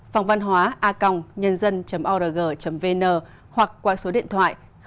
phòng văn hóa a nh org vn hoặc qua số hai nghìn bốn trăm ba mươi hai sáu trăm sáu mươi chín năm trăm linh tám